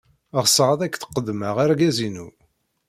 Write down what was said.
Ɣseɣ ad ak-d-qeddmeɣ argaz-inu.